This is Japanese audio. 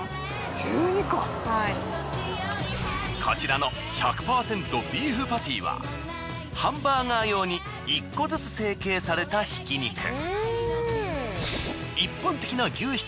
こちらの１００％ビーフパティはハンバーガー用に１個ずつ成形されたひき肉。